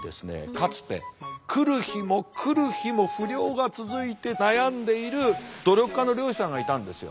かつて来る日も来る日も不漁が続いて悩んでいる努力家の漁師さんがいたんですよ。